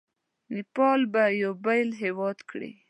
نیپال به یو بېل هیواد کړي.